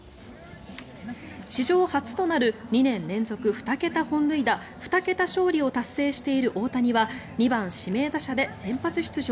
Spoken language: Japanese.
史上初となる２年連続２桁本塁打２桁勝利を達成している大谷は２番指名打者で先発出場。